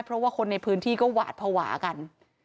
เพราะว่าคนในพื้นที่ก็หวาดภาวะกัน